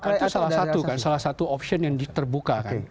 itu salah satu kan salah satu opsi yang terbuka kan